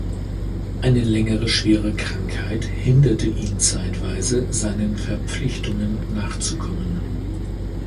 Eine längere schwere Krankheit hinderte ihn zeitweise, seinen Verpflichtungen nachzukommen.